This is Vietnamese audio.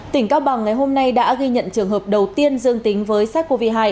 tỉnh cao bằng ngày hôm nay đã ghi nhận trường hợp đầu tiên dương tính với sars cov hai